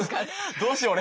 どうしよう俺。